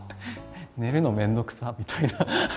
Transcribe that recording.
寝るの面倒くさっ！みたいな。